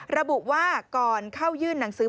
ระบุว่าก่อนเข้ายื่นหนังสือ